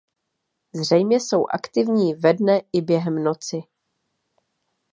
Zřejmě jsou aktivní ve dne i během noci.